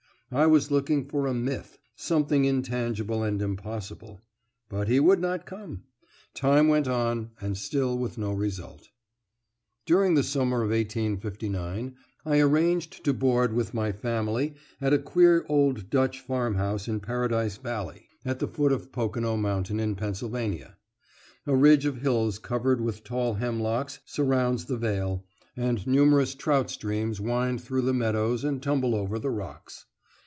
I was looking for a myth something intangible and impossible. But he would not come. Time went on, and still with no result, During the summer of 1859 I arranged to board with my family at a queer old Dutch farmhouse in Paradise Valley, at the foot of Pocono Mountain, in Pennsylvania. A ridge of hills covered with tall hemlocks surrounds the vale, and numerous trout streams wind through the meadows and tumble over the rocks.